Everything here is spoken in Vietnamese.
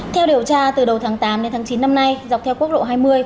theo điều tra từ đầu tháng tám đến tháng chín năm nay dọc theo quốc lộ hai mươi